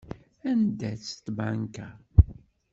Anda-tt tbanka?